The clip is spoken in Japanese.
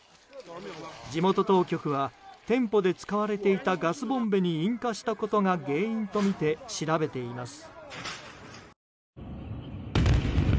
地元当局は店舗で使われていたガスボンベに引火したことが原因とみて調べています。